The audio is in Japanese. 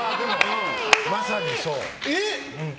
まさにそう。